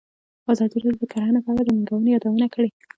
ازادي راډیو د کرهنه په اړه د ننګونو یادونه کړې.